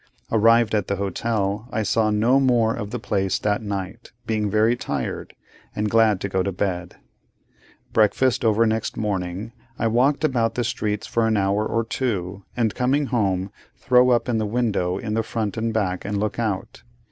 Arrived at the hotel; I saw no more of the place that night; being very tired, and glad to get to bed. Breakfast over next morning, I walk about the streets for an hour or two, and, coming home, throw up the window in the front and back, and look out.